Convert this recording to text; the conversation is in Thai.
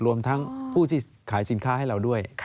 รวมทั้งผู้ที่ขายสินค้าให้เราด้วย